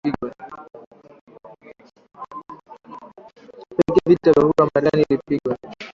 pekee Vita ya Uhuru wa Marekani ilipigwa